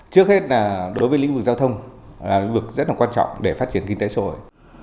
trước hết là đối với lĩnh vực giao thông là lĩnh vực rất là quan trọng để phát triển kinh tế xã hội